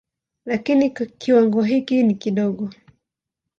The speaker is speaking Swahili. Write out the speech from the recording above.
Lakini kiwango hiki ni kidogo.